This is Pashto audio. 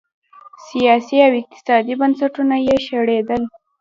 سیاسي او اقتصادي بنسټونه یې وشړېدل.